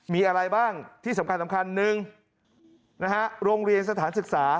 มีอะไรบ้างที่สำคัญ๑นะฮะโรงเรียนสถานศึกษา